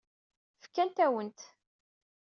Fkant-awen-t.